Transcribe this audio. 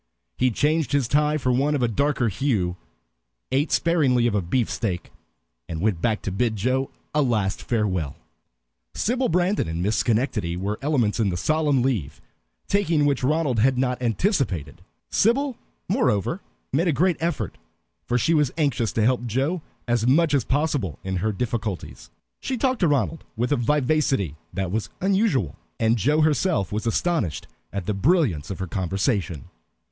He changed his tie for one of a darker hue, ate sparingly of a beefsteak, and went back to bid Joe a last farewell. Sybil Brandon and Miss Schenectady were elements in the solemn leave taking which Ronald had not anticipated. Sybil, moreover, made a great effort, for she was anxious to help Joe as much as possible in her difficulties. She talked to Ronald with a vivacity that was unusual, and Joe herself was astonished at the brilliance of her conversation.